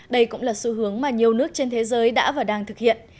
đây cũng là xu hướng mà nhiều nước trên thế giới đã và đang thực hiện